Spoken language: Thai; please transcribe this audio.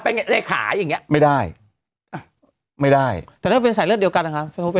ได้ขายอย่างเนี้ยไม่ได้ไม่ได้แต่ถ้าเป็นสายเลือดเดียวกันอ่ะค่ะ